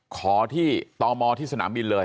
ขอที่ตมที่สนามบินเลย